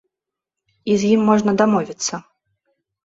І з ім можна дамовіцца.